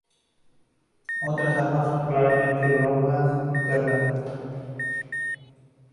Otras armas son claramente bromas internas.